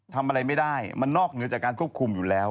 ทำอะไรไม่ได้มันนอกเหนือจากการควบคุมอยู่แล้ว